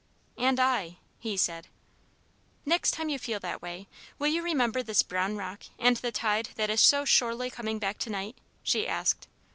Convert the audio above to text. "And I," he said. "Next time you feel that way will you remember this brown rock and the tide that is so surely coming back tonight?" she asked.